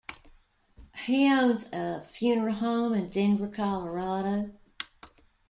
He owns a funeral home in Denver, Colorado.